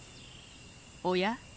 おや？